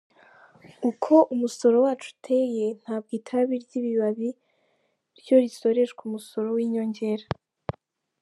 Uko umusoro wacu uteye ntabwo itabi ry’ibibabi ryo risoreshwa umusoro w’inyongera.